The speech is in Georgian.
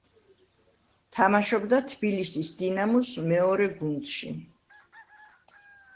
თამაშობდა თბილისის „დინამოს“ მეორე გუნდში.